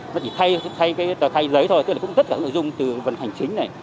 nó chỉ thay tờ khai giấy thôi tức là cũng tất cả nội dung từ phần hành chính này